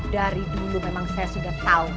dari dulu memang saya sudah tahu